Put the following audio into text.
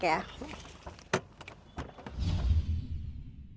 ketika politik itu sudah tidak bisa menyatukan